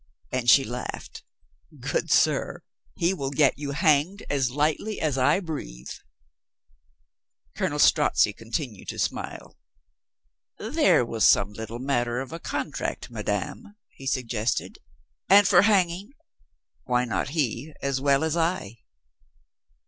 And she laughed. "Good sir, he will get you hanged as lightly as I breathe." Colonel Strozzi continued to smile. "There was some little matter of a contract, madame," he sug gested. "And for hanging, why not he as well as I